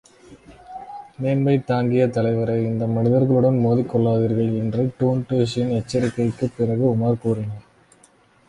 மேன்மை தாங்கிய தலைவரே, இந்த மனிதர்களுடன் மோதிக் கொள்ளாதீர்கள் என்ற டூன்டுஷின் எச்சரிக்கைக்குப் பிறகு, உமார் கூறினான்.